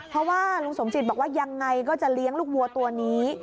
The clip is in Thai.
เพราะว่าลุงสมจิตบอกว่ายังไงก็จะเลี้ยงลูกวัวตัวนี้